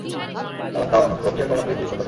কারণ তা অনুর্থ ক্রিয়াকলাপে লিপ্ত করে।